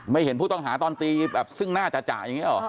เห็นผู้ต้องหาตอนตีแบบซึ่งหน้าจ่าอย่างนี้หรอ